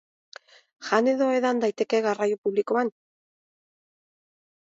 Jan edo edan daiteke garraio publikoan?